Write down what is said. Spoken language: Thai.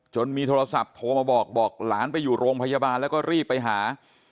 มีโทรศัพท์โทรมาบอกบอกหลานไปอยู่โรงพยาบาลแล้วก็รีบไปหา